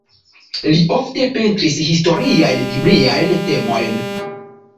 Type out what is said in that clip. Li ofte pentris historiajn, bibliajn temojn.